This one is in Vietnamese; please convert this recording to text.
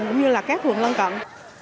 cũng như là các phường lân cận